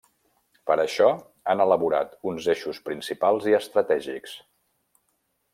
Per això, han elaborat uns eixos principals i estratègics.